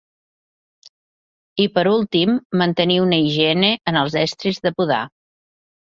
I per últim mantenir una higiene en els estris de podar.